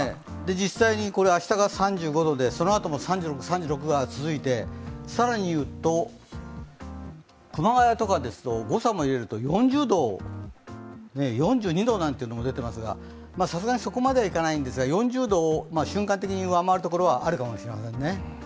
実際に明日が３５度で、そのあとも３６、３６が続いて更に言うと、熊谷とかですと誤差も入れると４０度４２度なんてのも出ていますがさすがにそこまではいかないんですが、４０度を瞬間的に上回るところはあるかもしれませんね。